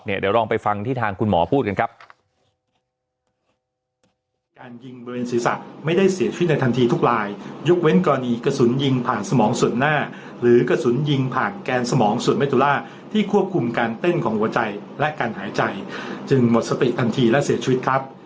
เดี๋ยวลองไปฟังที่ทางคุณหมอพูดกันครับ